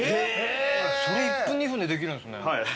それ１分２分でできるんですね。